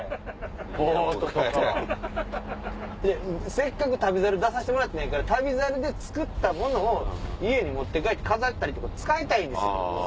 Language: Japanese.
せっかく『旅猿』出させてもらったから『旅猿』で作ったもの持って帰って飾ったり使いたいんですよ。